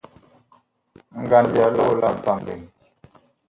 Ngand ya loo laasa mɓɛɛŋ.